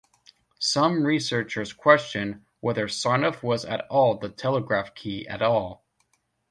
Some researchers question whether Sarnoff was at the telegraph key at all.